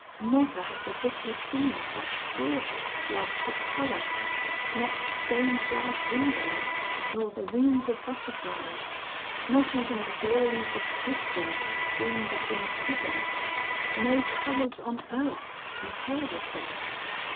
Never had the Vicar seen such gorgeous floods of colour, not stained glass windows, not the wings of butterflies, not even the glories of crystals seen between prisms, no colours on earth could compare with them.